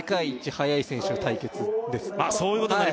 速い選手の対決ですあっ